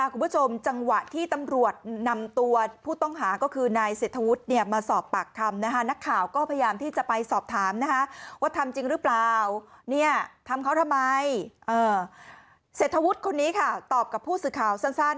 ครับก็คือในเศรฐวุธเนี่ยมาสอบปากทำนะคะนักข่าวก็พยายามที่จะไปสอบถามนะฮะว่าทำจริงหรือเปล่าเนี่ยทำเขาทำไมเอ่อเศรฐวุธคนนี้ค่ะตอบกับผู้สื่อข่าว